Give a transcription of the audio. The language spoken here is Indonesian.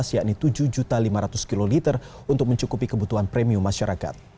yakni tujuh lima ratus kiloliter untuk mencukupi kebutuhan premium masyarakat